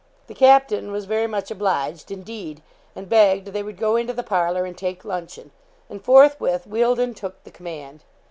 The captain was very much obliged, indeed, and begged they would go into the parlour, and take luncheon; and, forthwith, Wealdon took the command.